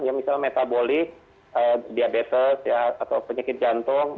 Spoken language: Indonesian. ya misalnya metabolik diabetes atau penyakit jantung